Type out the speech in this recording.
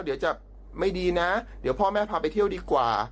เดี๋ยวจะไม่ดีนะเดี๋ยวพ่อแม่พาไปเที่ยวดีกว่า